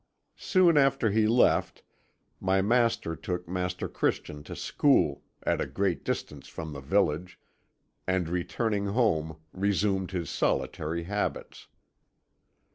"Soon after he left, my master took Master Christian to school, at a great distance from the village, and returning alone, resumed his solitary habits.